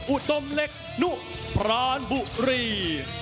อูตโนมเล็กนูปลานบุรี